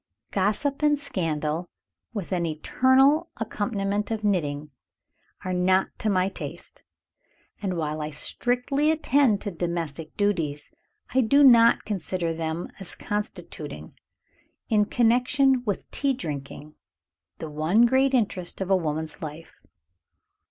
Gossip and scandal, with an eternal accompaniment of knitting, are not to my taste; and, while I strictly attend to domestic duties, I do not consider them as constituting, in connection with tea drinking, the one great interest of a woman's life.